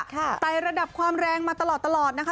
ไตระดับความแรงมาตลอดนะคะ